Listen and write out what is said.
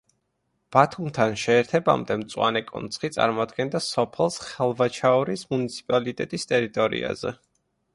ბათუმთან შეერთებამდე მწვანე კონცხი წარმოადგენდა სოფელს ხელვაჩაურის მუნიციპალიტეტის ტერიტორიაზე.